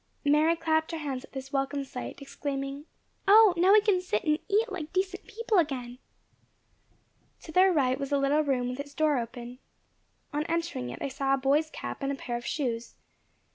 Mary clapped her hands at this welcome sight, exclaiming: "O, now we can sit and eat like decent people again!" To their right was a little room, with its door open. On entering it, they saw a boy's cap and pair of shoes.